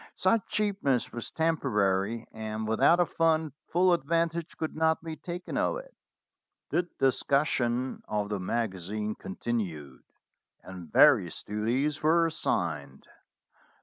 Such cheapness was temporary, and without a fund full advantage could not be taken of it. The discussion of the magazine continued, and vari ous duties were assigned.